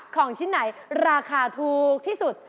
ของชิ้นไหนราคาถูกที่สุด